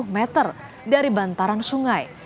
lima puluh meter dari bantaran sungai